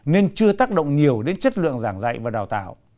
nên chưa tác động nhiều đến chất lượng giảng dạy và đào tạo